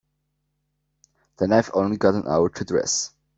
Then I've only got an hour to dress.